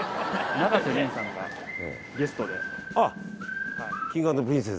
あっ！